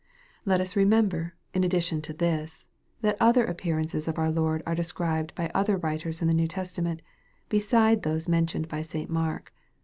Let us remember, in addition to this, that other appearances of our Lord are described by other writers in the New Testament, beside those mentioned by St. Mark.